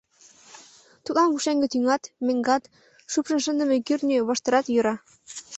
Тидлан пушеҥге тӱҥат, меҥгат, шупшын шындыме кӱртньӧ воштырат йӧра.